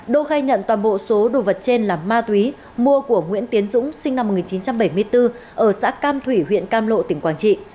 đô khai nhận toàn bộ số đồ vật trên là ma túy mua của nguyễn tiến dũng sinh năm một nghìn chín trăm bảy mươi bốn ở xã cam thủy huyện cam lộ tỉnh quảng trị